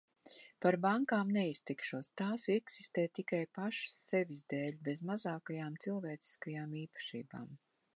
Par bankām neizteikšos, tās eksistē tikai pašas sevis dēļ, bez mazākajām cilvēciskajām īpašībām.